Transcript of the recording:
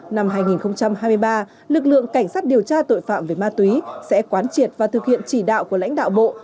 năm hai nghìn hai mươi ba lực lượng cảnh sát điều tra tội phạm về ma túy sẽ quán triệt và thực hiện chỉ đạo của lãnh đạo bộ